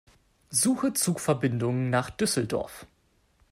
Suche Zugverbindungen nach Düsseldorf.